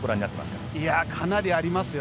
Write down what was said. かなりありますよ。